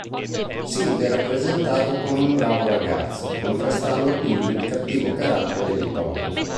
Sid è rappresentato come un bravo ragazzo, contrastando quindi il cattivo carattere di Tony.